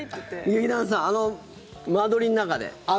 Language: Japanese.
劇団さんあの間取りの中で。